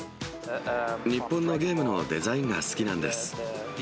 日本のゲームのデザインが好きなんです。